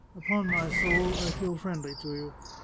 Upon my soul, I feel friendly to you.